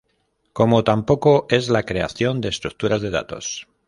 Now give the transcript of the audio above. Como tampoco es la creación de estructuras de datos.